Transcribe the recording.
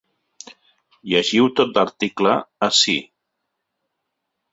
Llegiu tot l’article ací.